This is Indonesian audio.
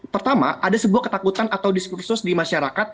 pertama ada sebuah ketakutan atau diskursus di masyarakat